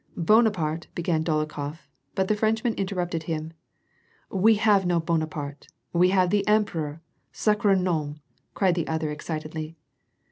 * "Bonaparte," began Dolokhof, but the Frenchman inter rupted him, — "We have no Bonaparte. We have the emperor! Sarre nom /" cried the other excitedly.